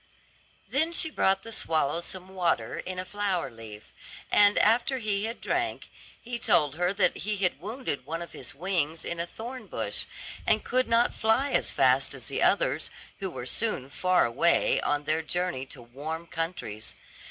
Then she brought the swallow some water in a flower leaf, and after he had drank, he told her that he had wounded one of his wings in a thorn bush, and could not fly as fast as the others, who were soon far away on their journey to warm countries.